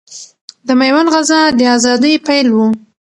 د ميوند غزا د اذادۍ پيل ؤ